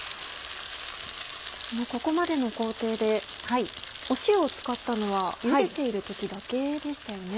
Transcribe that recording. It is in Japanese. ここまでの工程で塩を使ったのはゆでている時だけでしたよね。